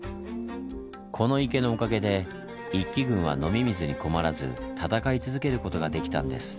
この池のおかげで一揆軍は飲み水に困らず戦い続けることができたんです。